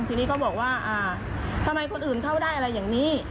ทีนี้เขาบอกว่าทำไมคนอื่นเข้าได้อะไรอย่างนี้